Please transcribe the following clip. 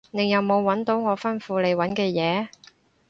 你有冇搵到我吩咐你搵嘅嘢？